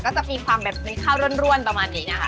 ก็จะมีความแบบมีข้าวร่วนประมาณนี้นะคะ